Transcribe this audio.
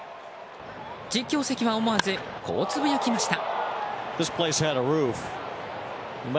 実況席は、思わずこうつぶやきました。